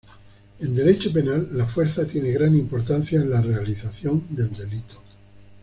En Derecho penal la fuerza tiene gran importancia en la realización del delito.